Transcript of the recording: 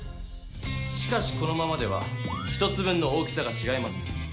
しかしこのままでは１つ分の大きさがちがいます。